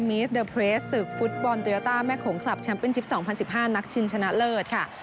มีสเตอร์เพรสศึกฟุตบอลตูยาตาแม่ขงคลับแชมป์เป็นชิปสองพันสิบห้านักชิงชนะเลิศค่ะ